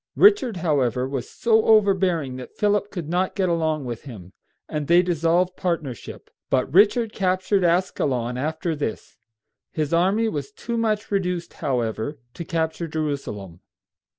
Richard, however, was so overbearing that Philip could not get along with him, and they dissolved partnership; but Richard captured Ascalon after this. His army was too much reduced, however, to capture Jerusalem.